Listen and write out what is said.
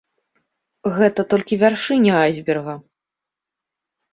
Гэта толькі вяршыня айсберга.